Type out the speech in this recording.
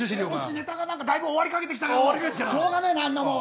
ネタが終わりかけてきたけどしょうがないよ、あんなもん。